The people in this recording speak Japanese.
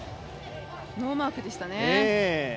ノーマークでしたね。